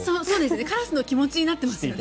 カラスの気持ちになってますよね。